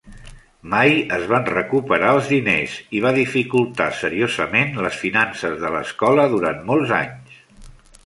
Mai es van recuperar els diners i va dificultar seriosament les finances de l'escola durant molts anys.